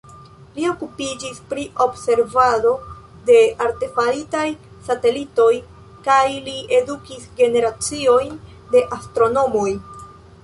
Li okupiĝis pri observado de artefaritaj satelitoj kaj li edukis generaciojn de astronomoj.